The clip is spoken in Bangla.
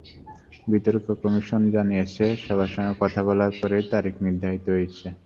বিতর্ক কমিশনও জানিয়েছে, সবার সঙ্গে কথা বলার পরেই তারিখ নির্ধারিত হয়েছে।